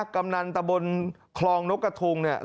กำนันตะบลคลองนกกระทุงเล่าบอกว่า